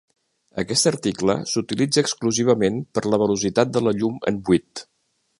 Aquest article s'utilitza exclusivament per la velocitat de la llum en buit.